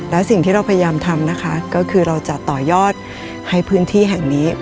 และสิ่งที่เราพยายามทำนะคะก็คือเราจะต่อยอดให้พื้นที่แห่งนี้